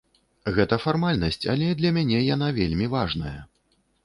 Гэта фармальнасць, але для мяне яна вельмі важная.